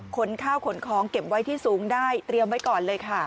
ข้าวขนของเก็บไว้ที่สูงได้เตรียมไว้ก่อนเลยค่ะ